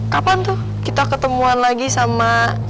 kapan tuh kita ketemuan lagi sama